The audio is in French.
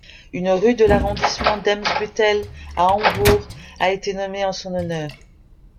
Une rue de l'arrondissement d'Eimsbüttel, à Hambourg, a été nommée en son honneur.